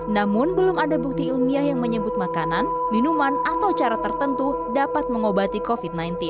namun belum ada bukti ilmiah yang menyebut makanan minuman atau cara tertentu dapat mengobati covid sembilan belas